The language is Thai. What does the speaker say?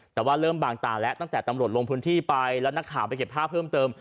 แต่ว่าเริ่มบางตาแล้วตั้งแต่ตำรวจลงพื้นที่ไปแล้วนักข่าวไปเก็บภาพเพิ่มเติม